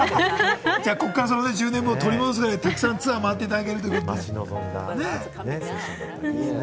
ここから１０年分を取り戻すくらい、たくさんツアー回っていただけるということで。